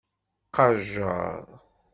Qajjer.